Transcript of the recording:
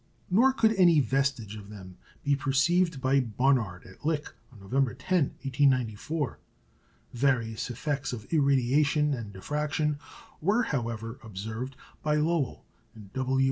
Nor could any vestige of them be perceived by Barnard at Lick on November 10, 1894. Various effects of irradiation and diffraction were, however, observed by Lowell and W.